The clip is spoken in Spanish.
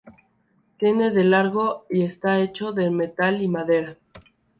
Tiene de largo y está hecho de metal y madera.